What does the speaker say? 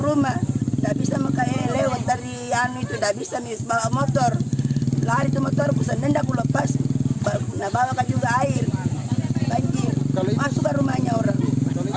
lari ke motor bisa nendak lepas bawa juga air banjir masukkan rumahnya orang